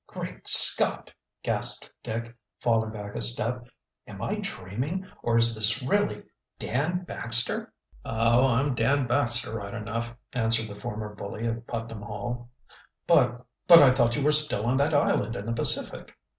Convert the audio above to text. "Great Scott!" gasped Dick, falling back a step. "Am I dreaming or is this really Dan Baxter?" "Oh. I'm Dan Baxter right enough," answered the former bully of Putnam Hall. "But but I thought you were still on that island in the Pacific."